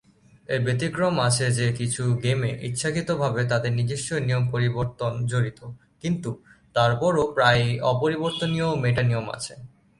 এর ব্যতিক্রম আছে যে কিছু গেমে ইচ্ছাকৃতভাবে তাদের নিজস্ব নিয়ম পরিবর্তন জড়িত, কিন্তু তারপরও প্রায়ই অপরিবর্তনীয় মেটা-নিয়ম আছে।